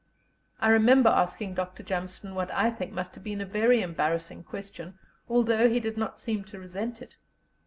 I remember asking Dr. Jameson what I think must have been a very embarrassing question, although he did not seem to resent it.